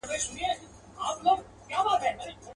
ما مي د بابا په هدیره کي ځان لیدلی وو.